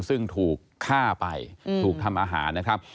ซึ่งถูกฆ่าไปถูกทำอาหารนะครับ